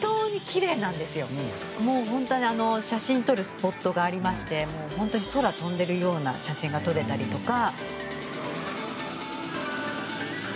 もうホントに写真撮るスポットがありまして空飛んでるような写真が撮れたりとか。